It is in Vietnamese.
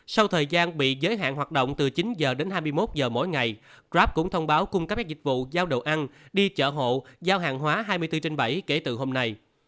sau thời gian bị giới hạn hoạt động từ chín h đến hai mươi một giờ mỗi ngày grab cũng thông báo cung cấp các dịch vụ giao đồ ăn đi chợ hộ giao hàng hóa hai mươi bốn trên bảy kể từ hôm nay